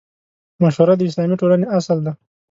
مشوره د اسلامي ټولنې اصل دی.